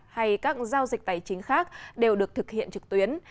hay các giao dịch tài chính khác đều được thực hiện trực tuyến